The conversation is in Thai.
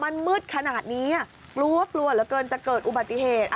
มันมืดขนาดนี้กลัวกลัวเหลือเกินจะเกิดอุบัติเหตุ